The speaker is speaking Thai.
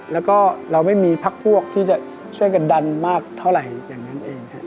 แล้วก็เราไม่มีพักพวกที่จะช่วยกันดันมากเท่าไหร่อย่างนั้นเองครับ